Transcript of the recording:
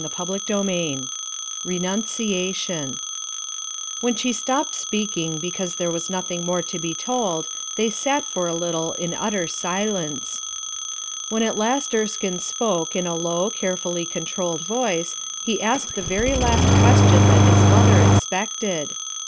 CHAPTER XXIX RENUNCIATION "W HEN Sh ° St ° PPCd fepeakin e^^ there T T was nothing more to be told, they sat for a little in utter silence. When at last Erskine spoke in a low, care fully controlled voice, he asked the very last question that his mother expected.